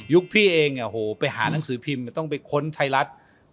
ยุคพี่เองไปหานังสือพิม์ต้องการค้นไทรัต